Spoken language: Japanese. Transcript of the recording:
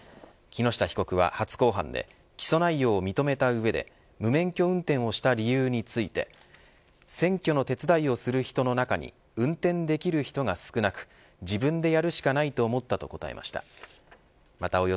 木下被告は初公判で起訴内容を認めた上で無免許運転をした理由について選挙の手伝いをする人の中に運転できる人が少なく自分でやるしかないと思ったと答えました。